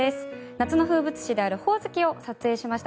夏の風物詩であるホオズキを撮影しました。